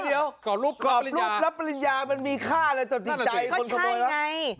เดี๋ยวรูปรับปริญญามีค่าอะไรจนถิดใจคนกระโดยร้าง